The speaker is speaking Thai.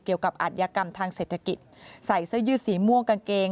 เกี่ยวกับอัธยกรรมทางเศรษฐกิจใส่ซะยืดสีม่วงกางเกง